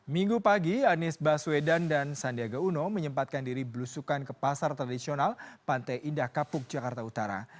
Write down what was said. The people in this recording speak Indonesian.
minggu pagi anies baswedan dan sandiaga uno menyempatkan diri belusukan ke pasar tradisional pantai indah kapuk jakarta utara